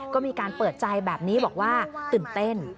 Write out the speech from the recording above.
ก็มีการเปิดใจแบบนี้บอกว่าตื่นเต้น